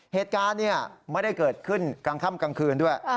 เหตุการณ์ไม่ได้เกิดขึ้นกลางค่ำกลางคืนด้วย